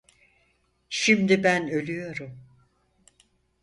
Şimdi ben ölüyorum…